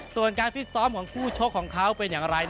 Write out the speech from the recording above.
ส่วนการฟิตซ้อมของคู่ชกของเขาเป็นอย่างไร